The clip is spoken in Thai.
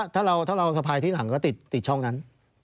ถ้าเราสะพายที่หลังก็ติดช่องนั้น